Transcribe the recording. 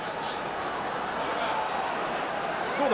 どうだ？